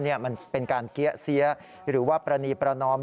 มันเป็นการเกี้ยเสียหรือว่าปรณีประนอม